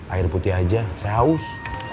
air putih aja saya haus